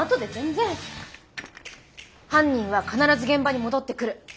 犯人は必ず現場に戻ってくる。